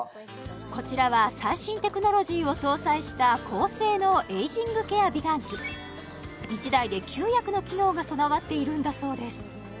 こちらは最新テクノロジーを搭載した高性能エイジングケア美顔器１台で９役の機能が備わっているんだそうです